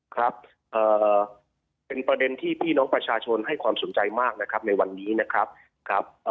ครับเป็นประเด็นที่พี่น้องประชาชนให้ความสนใจมากนะครับในวันนี้นะครับ